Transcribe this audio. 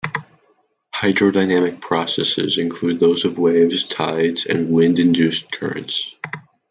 Hydrodynamic processes include those of waves, tides and wind-induced currents.